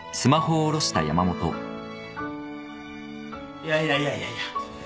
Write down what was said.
いやいやいやいやいや。